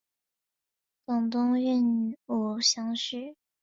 广东壬午乡试。